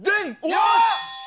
よし！